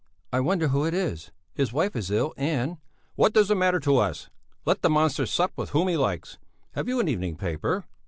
"I wonder who it is? His wife is ill, and...." "What does it matter to us? Let the monster sup with whom he likes! Have you an evening paper?"